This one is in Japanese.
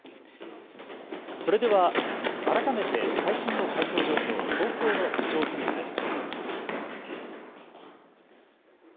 それでは、改めて最新の開票状況、東京の区長選挙です。